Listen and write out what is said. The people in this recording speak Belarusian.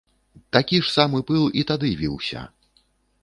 Такі ж самы пыл і тады віўся.